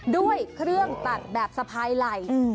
ด้วยเครื่องตัดแบบสะพายไหล่